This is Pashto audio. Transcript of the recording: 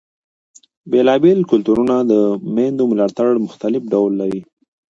بېلابېل کلتورونه د مېندو ملاتړ مختلف ډول لري.